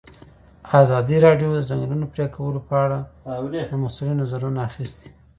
ازادي راډیو د د ځنګلونو پرېکول په اړه د مسؤلینو نظرونه اخیستي.